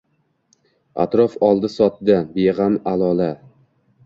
Atrof oldi-sotdi, beg‘am alalo